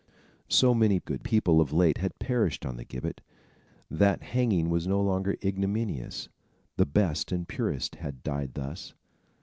So many good people of late had perished on the gibbet, that hanging was no longer ignominious. The best and purest had died thus.